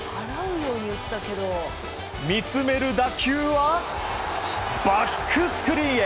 見つめる打球はバックスクリーンへ。